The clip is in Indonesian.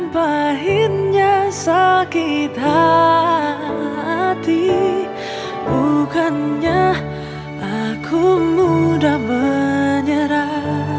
bukannya aku mudah menyerah